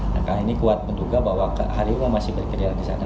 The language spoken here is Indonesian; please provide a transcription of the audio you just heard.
nah kali ini kuat menduga bahwa harimau masih berkeliaran di sana